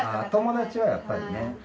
友達はやっぱりね。